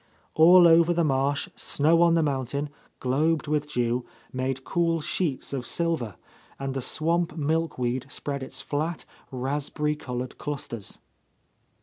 All over the marsh, snow on the mountain, globed with dew, made cool sheets of silver, and the swamp milk weed spread its flat, raspberry coloured clusters.